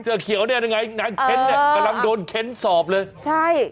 เสื้อเขียวนี่อะไรไงครั้งเค้นกำลังโดนเค้นสอบเลย